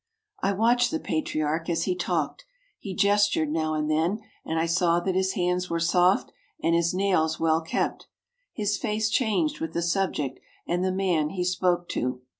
I watched the Patriarch as he talked. He gestured now and then and I saw that his hands were soft and his nails well kept. His face changed with the subject and the man he spoke to.